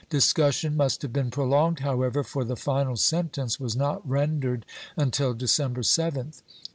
Dis cussion must have been prolonged however, for the final sentence was not rendered until December 7th.